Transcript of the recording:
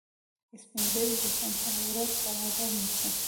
سپین ږیری د ژوند هره ورځ په قدر نیسي